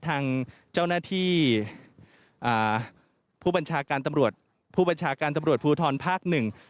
ทางเจ้าหน้าที่ผู้บัญชาการตำรวจภูทรภาค๑